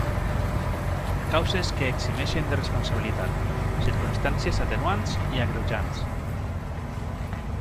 Causes que eximeixen de responsabilitat: circumstàncies atenuants i agreujants.